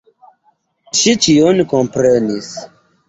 Ŝi ĉion komprenis.